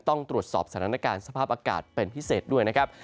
ต้องตรวจสอบสถานการณ์สภาพอากาศเป็นพิเศษด้วยนะครับ